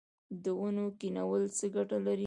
د ونو کینول څه ګټه لري؟